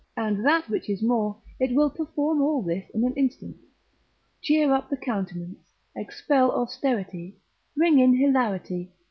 and that which is more, it will perform all this in an instant: Cheer up the countenance, expel austerity, bring in hilarity (Girald.